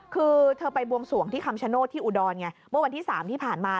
คือเธอไปบวงสวงที่คำชโนธที่อุดรไงเมื่อวันที่๓ที่ผ่านมา